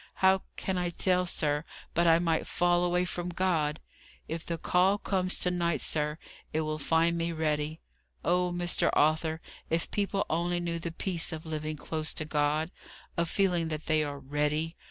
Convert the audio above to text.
How can I tell, sir, but I might fall away from God? If the call comes to night, sir, it will find me ready. Oh, Mr. Arthur, if people only knew the peace of living close to God of feeling that they are READY!